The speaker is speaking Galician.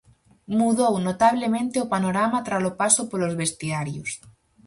Mudou notablemente o panorama tralo paso polos vestiarios.